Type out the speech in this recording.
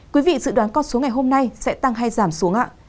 quý vị dự đoán con số ngày hôm nay sẽ tăng hay giảm xuống ạ